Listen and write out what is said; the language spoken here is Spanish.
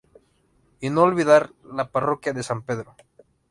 Y no olvidar la parroquia de San Pedro.